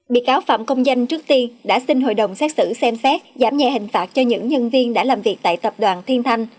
bị cáo phạm công danh trước tiên đã xin hội đồng xét xử xem xét giảm nhẹ hình phạt cho những nhân viên đã làm việc tại tập đoàn thiên thanh